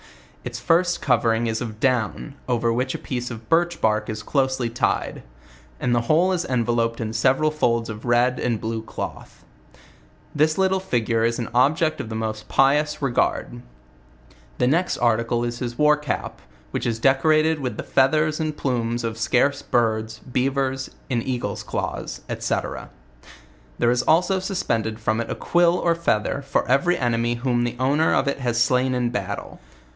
Its first covering is of down, .over which a piece of birch bark is closely tied; and the whole is enveloped in several folds of red and blue cloth. ..This little <figue is an object of the most pious regard. The next articlo is his war cap, which is decorated with the feathers and plumes of scarce birds, beavers, a:id eagles' claws, &c. There is also BUB pended from it .a quill or feather for every enemy whom the owner of it has slain In bairlo.